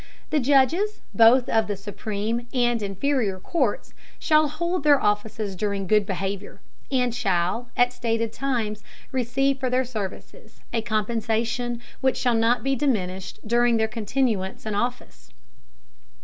The Judges, both of the supreme and inferior Courts, shall hold their Offices during good Behaviour, and shall, at stated Times, receive for their Services, a Compensation, which shall not be diminished during their continuance in Office.